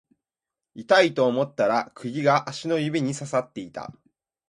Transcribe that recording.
痛いと思ったら釘が足の指に刺さっていた